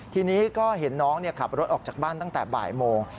ทีนี้ก็เห็นน้องขับรถออกจากบ้านตั้งแต่บ่ายโมง